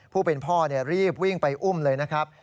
ผู้เป็นพ่อรีบวิ่งไปอุ้มเลยนะครับ